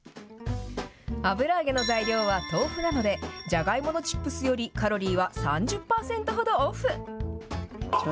油揚げの材料は豆腐なので、じゃがいものチップスよりカロリーは３０％ほどオフ。